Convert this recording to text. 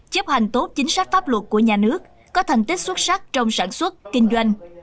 chấp hành tốt chính sách pháp luật của nhà nước có thành tích xuất sắc trong sản xuất kinh doanh